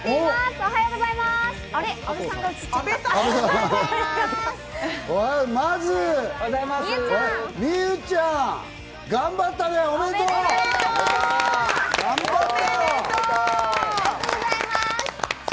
おはようございます！